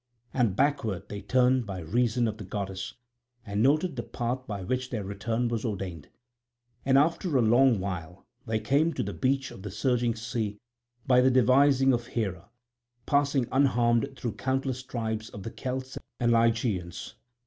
And backward they turned by reason of the goddess, and noted the path by which their return was ordained. And after a long while they came to the beach of the surging sea by the devising of Hera, passing unharmed through countless tribes of the Celts and Ligyans.